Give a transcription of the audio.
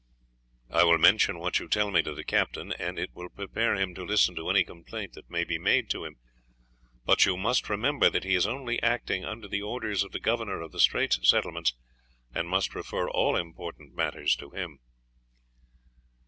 "I will mention what you tell me to the Captain, and it will prepare him to listen to any complaint that may be made to him. But you must remember that he is only acting under the orders of the Governor of the Straits Settlements, and must refer all important matters to him."